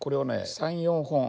３４本。